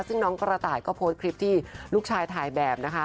ซึ่งน้องกระต่ายก็โพสต์คลิปที่ลูกชายถ่ายแบบนะคะ